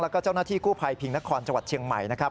แล้วก็เจ้าหน้าที่กู้ภัยพิงนครจังหวัดเชียงใหม่นะครับ